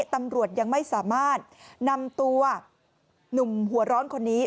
ตำรวจยังไม่สามารถนำตัวหนุ่มหัวร้อนคนนี้